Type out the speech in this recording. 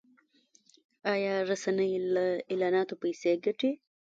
آیا رسنۍ له اعلاناتو پیسې ګټي؟